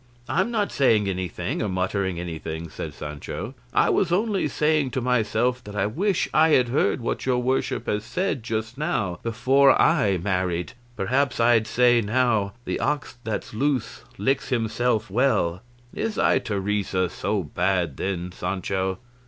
"I'm not saying anything or muttering anything," said Sancho; "I was only saying to myself that I wish I had heard what your worship has said just now before I married; perhaps I'd say now, 'The ox that's loose licks himself well.'" "Is thy Teresa so bad then, Sancho?"